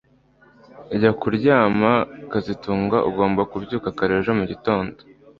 Jya kuryama kazitunga Ugomba kubyuka kare ejo mugitondo